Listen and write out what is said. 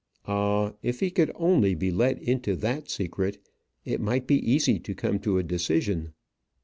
Ah! if he could only be let into that secret, it might be easy to come to a decision.